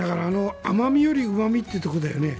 甘味よりうま味というところだよね。